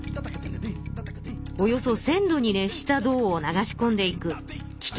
およそ１，０００度に熱した銅を流し込んでいくき